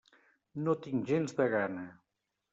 No tinc gens de gana.